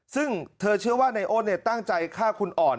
ซึ่งเธอเชื่อว่านายโอนตั้งใจฆ่าคุณอ่อน